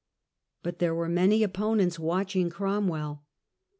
But there were many opponents watching Cromwell.